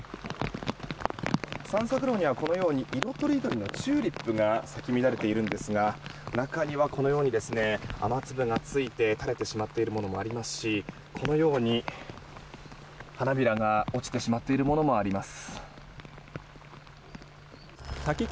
散策路にはこのように色とりどりのチューリップが咲き乱れているんですが中にはこのように、雨粒がついて垂れてしまっているものもありますしこのように、花びらが落ちてしまっているものもあります。